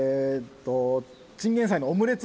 チンゲンサイのオムレツ？